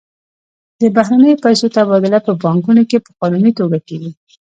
د بهرنیو پیسو تبادله په بانکونو کې په قانوني توګه کیږي.